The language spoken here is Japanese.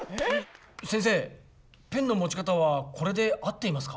先生ペンの持ち方はこれで合っていますか？